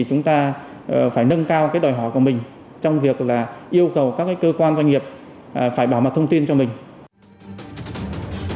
chúng ta phải nâng cao đòi hỏi của mình trong việc là yêu cầu các cơ quan doanh nghiệp phải bảo mật thông tin cho mình